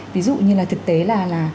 ví dụ như là thực tế là